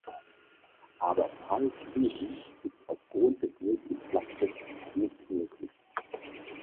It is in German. Aber freies Schweben ist auf Grund des nötigen Platzes nicht möglich.